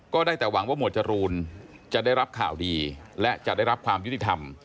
ได้แต่หวังว่าหมวดจรูนจะได้รับข่าวดีและจะได้รับความยุติธรรม